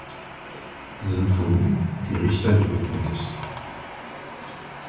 Sinfonie, die Richter gewidmet ist.